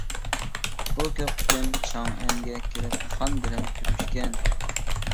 ئۇ كۆپ قېتىم چاڭئەنگە كېلىپ خان بىلەن كۆرۈشكەن.